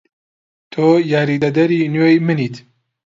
تۆ یاریدەدەری نوێی منیت.